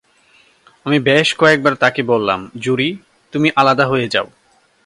আমি বেশ কয়েক বার তাকে বললাম, জুডি, তুমি আলাদা হয়ে যাও!